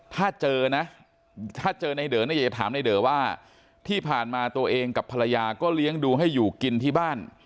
ถ้าเจอนะจะถามไอเดิร์ว่าที่ผ่านมาตัวเองกับภรรยาก็เลี้ยงดูให้อยู่กินที่บ้าน